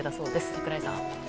櫻井さん。